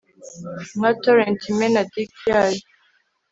Nka torrent imena dike yayo